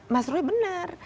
mas roy benar